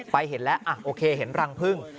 เห็นแล้วโอเคเห็นรังพึ่ง